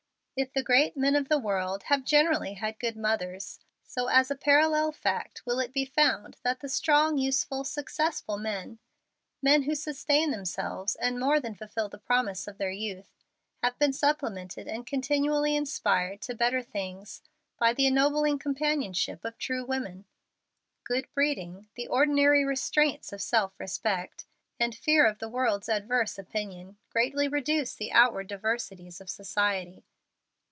If the great men of the world have generally had good mothers, so as a parallel fact will it be found that the strong, useful, successful men men who sustain themselves, and more than fulfil the promise of their youth have been supplemented and continually inspired to better things by the ennobling companionship of true women. Good breeding, the ordinary restraints of self respect, and fear of the world's adverse opinion, greatly reduce the outward diversities of society.